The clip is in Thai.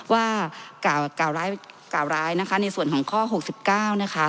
ว่ากล่าวร้ายนะคะในส่วนของข้อ๖๙นะคะ